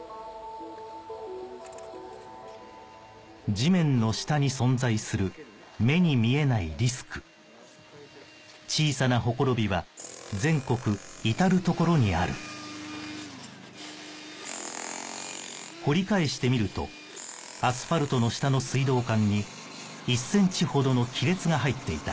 地面の下に存在する目に見えないリスク小さなほころびは全国至る所にある掘り返してみるとアスファルトの下の水道管に１ｃｍほどの亀裂が入っていた